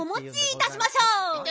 いたしましょう。